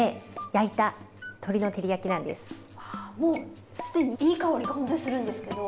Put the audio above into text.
あもう既にいい香りがほんとにするんですけど。